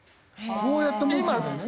こうやって持つんだよね。